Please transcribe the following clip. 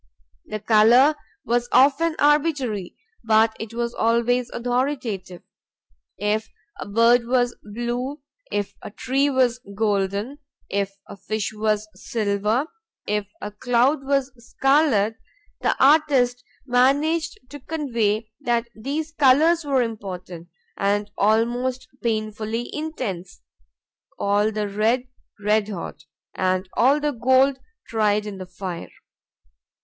The color was often arbitrary; but it was always authoritative. If a bird was blue, if a tree was golden, if a fish was silver, if a cloud was scarlet, the artist managed to convey that these colors were important and almost painfully intense; all the red red hot and all the gold tried in the fire.